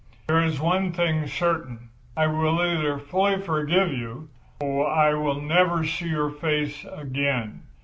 'There is one thing certain; I will either fully forgive you, or I will never see your face again.